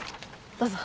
どうぞ。